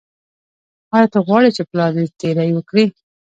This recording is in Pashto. ایا ته غواړې چې پلار دې تیری وکړي.